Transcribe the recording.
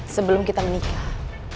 sebelum kita menikah